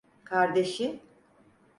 Kardeşi…